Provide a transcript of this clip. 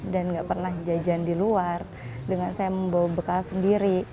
dan nggak pernah jajan di luar dengan saya membawa bekal sendiri